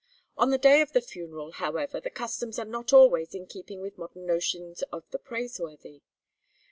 On the day of the funeral, however, the customs are not always in keeping with modern notions of the praiseworthy.